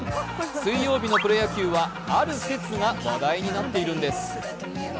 水曜日のプロ野球はある説が話題になっているんです。